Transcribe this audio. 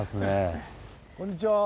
こんにちは。